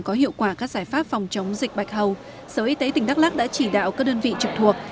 có hiệu quả các giải pháp phòng chống dịch bạch hầu sở y tế tỉnh đắk lắc đã chỉ đạo các đơn vị trực thuộc